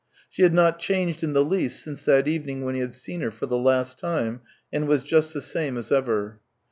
She had not changed in the least since that evening when he had seen her for the last time, and was just the same as ever.